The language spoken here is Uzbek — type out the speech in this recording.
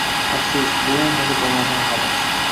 Afsus, bo’lolmadi balodan xalos.